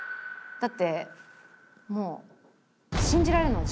だってもう。